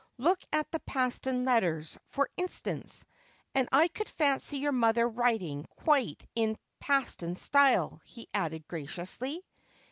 Look at the Paston letters, for instance. And I could fancy your mother writing quite in the Paston style,' he added graciously.